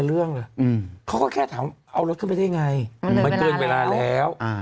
เรื่องเลยเขาก็แค่ถามเอารถขึ้นไปได้ไงมันเกินเวลาแล้ว